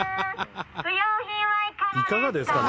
「いかがですか」